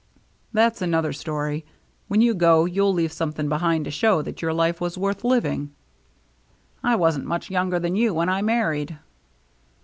" That's another story. When you go, you'll leave something behind to show that your life was worth living." " I wasn't much younger than you when I married."